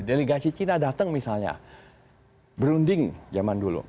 delegasi cina datang misalnya berunding zaman dulu